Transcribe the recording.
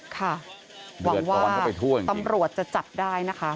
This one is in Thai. หวังว่าตำรวจจะจับได้นะคะ